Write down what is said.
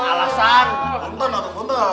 alasan konten atau konten